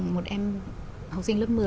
một em học sinh lớp một mươi